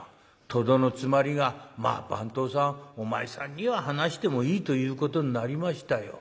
とどのつまりがまあ番頭さんお前さんには話してもいいということになりましたよ。